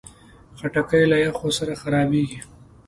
خټکی له یخو سره خرابېږي.